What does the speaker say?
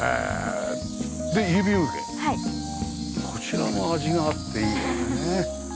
こちらも味があっていいよね。